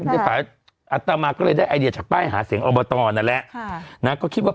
ใช่อัตตามาก็เลยได้ไอเดียจากป้ายหาเสียงอบตอนนั่นแหละค่ะนะก็คิดว่า